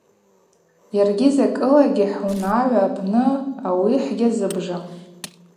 Йаргьи закӏылагьи хӏунагӏва апны ауи хӏгьазыбжам.